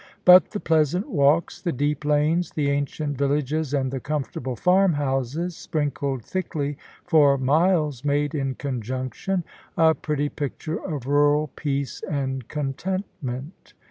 But the pleasant walks, the deep lanes, the ancient villages, and the comfortable farmhouses, sprinkled thickly for miles, made, in conjunction, a pretty picture of rural peace and contentment.